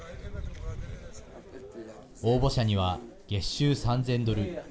応募者には月収３０００ドル。